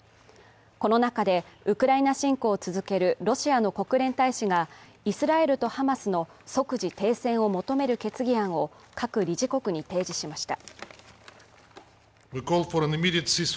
この中で、ウクライナ侵攻を続けるロシアの国連大使が、イスラエルとハマスの即時停戦を求める決議案を各理事国に提示しました。